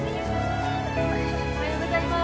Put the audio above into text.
・おはようございます。